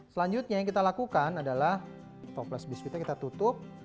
selanjutnya yang kita lakukan adalah topless biskuitnya kita tutup